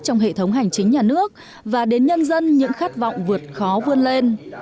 trong hệ thống hành chính nhà nước và đến nhân dân những khát vọng vượt khó vươn lên